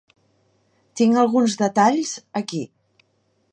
Tinc alguns detalls aquí.